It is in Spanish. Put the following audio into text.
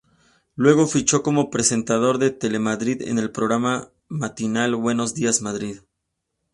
Luego fichó como presentador de Telemadrid en el programa matinal "Buenos días, Madrid".